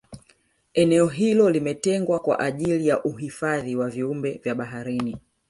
eneo hilo limetengwa kwa ajili ya uhifadhi wa viumbe vya baharini